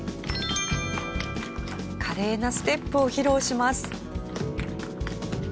華麗なステップを披露します。